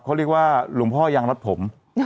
เขาเรียกว่าหลวงพ่อยังรัดผม